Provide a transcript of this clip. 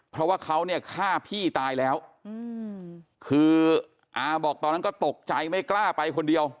เพราะว่าเขาเนี่ยฆ่าพี่ตายแล้วคืออาบอกตอนนั้นก็ตกใจไม่กล้าไปคนเดียว